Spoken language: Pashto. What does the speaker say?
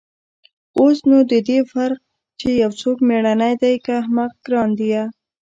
اوس نو د دې فرق چې يو څوک مېړنى دى که احمق گران ديه.